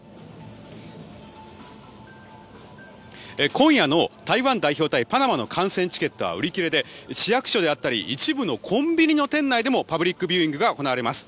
今夜の台湾代表対パナマの観戦チケットは売り切れで、市役所であったり一部のコンビニ店内でもパブリックビューイングが行われます。